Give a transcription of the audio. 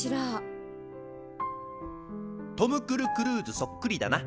トム・クルクルーズそっくりだな。